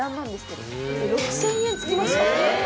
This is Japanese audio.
６０００円つきました